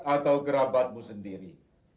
atau gerabatmu sendiri